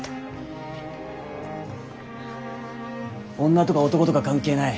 女とか男とか関係ない。